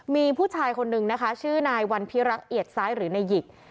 มีผู้ชายคนนึงนะคะชื่อนายวันพิรักษ์เอียดซ้ายหรือนายหยิก